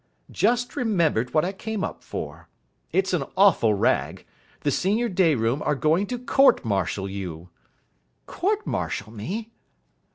"Just remembered what I came up for. It's an awful rag. The senior day room are going to court martial you." "Court martial me!"